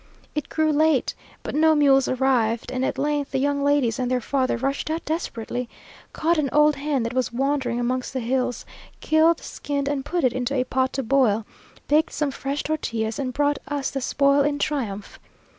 It grew late, but no mules arrived; and at length the young ladies and their father rushed out desperately, caught an old hen that was wandering amongst the hills, killed, skinned, and put it into a pot to boil, baked some fresh tortillas, and brought us the spoil in triumph!